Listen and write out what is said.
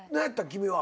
君は。